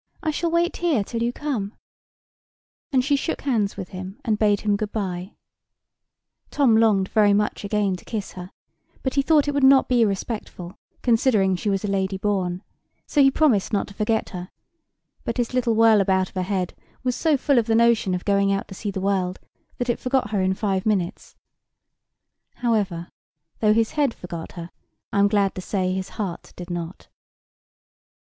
I shall wait here till you come." And she shook hands with him, and bade him good bye. Tom longed very much again to kiss her; but he thought it would not be respectful, considering she was a lady born; so he promised not to forget her: but his little whirl about of a head was so full of the notion of going out to see the world, that it forgot her in five minutes: however, though his head forgot her, I am glad to say his heart did not.